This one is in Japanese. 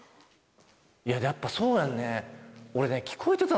いややっぱそうやんね